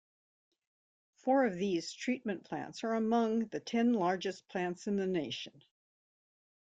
Four of these treatment plants are among the ten largest plants in the nation.